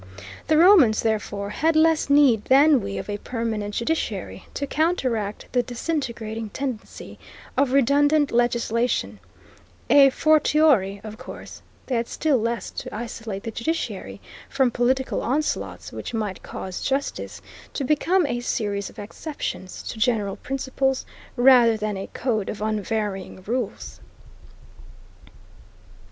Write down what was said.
The Romans, therefore, had less need than we of a permanent judiciary to counteract the disintegrating tendency of redundant legislation; a fortiori, of course, they had still less to isolate the judiciary from political onslaughts which might cause justice to become a series of exceptions to general principles, rather than a code of unvarying rules.